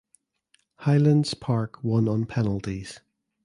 Highlands Park won on penalties.